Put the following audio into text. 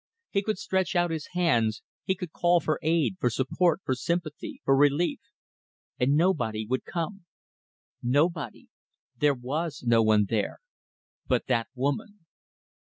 He could stretch out his hands, he could call for aid, for support, for sympathy, for relief and nobody would come. Nobody. There was no one there but that woman.